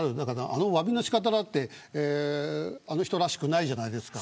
あの、おわびの仕方だってあの人らしくないじゃないですか。